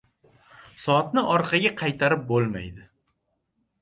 • Soatni orqaga qaytarib bo‘lmaydi.